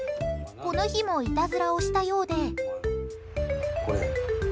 この日もいたずらをしたようで。